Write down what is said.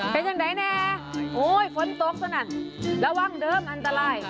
เป็นอย่างใดแน่โอ้ยฝนตกสนั่นระวังเดิมอันตราย